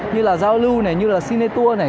như là giao lưu này như là sinet tour này